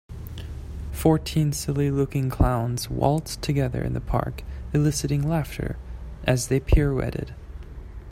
Fourteen silly looking clowns waltzed together in the park eliciting laughter as they pirouetted.